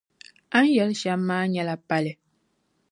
A ni yɛli shɛm maa nyɛla pali.